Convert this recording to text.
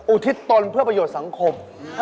อุทิศตนเพื่อประโยชน์สังคม